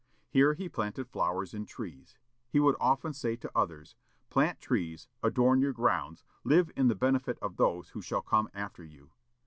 Here he planted flowers and trees. He would often say to others, "Plant trees, adorn your grounds, live for the benefit of those who shall come after you."